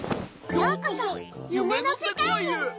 ようこそゆめのせかいへ！